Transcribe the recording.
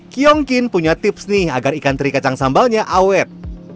kiongkin punya tips nih agar ikan teri kacang sambalnya awet